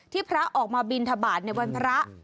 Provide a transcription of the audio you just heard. พระออกมาบินทบาทในวันพระ